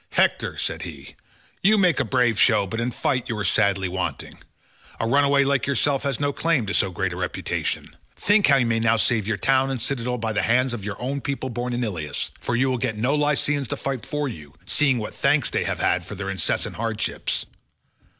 "Hector," said he, "you make a brave show, but in fight you are sadly wanting. A runaway like yourself has no claim to so great a reputation. Think how you may now save your town and citadel by the hands of your own people born in Ilius; for you will get no Lycians to fight for you, seeing what thanks they have had for their incessant hardships.